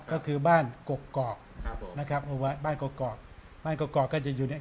ก็คือบ้านกกกอกนะครับหมู่บ้านบ้านกกอกบ้านกกอกก็จะอยู่เนี้ย